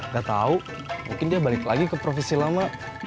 gak tau mungkin dia balik lagi ke profesi lama